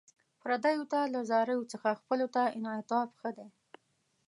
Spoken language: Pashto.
پردیو ته له زاریو څخه خپلو ته انعطاف ښه دی.